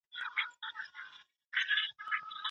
کابل بې ترافیکو نه دی.